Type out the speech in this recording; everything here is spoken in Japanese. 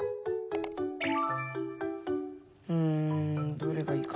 うんどれがいいかな。